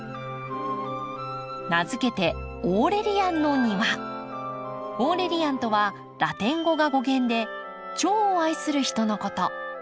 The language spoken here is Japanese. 名付けてオーレリアンとはラテン語が語源で「チョウを愛する人」のこと。